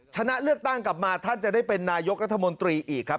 ชนะเลือกตั้งกลับมาท่านจะได้เป็นนายกรัฐมนตรีอีกครับ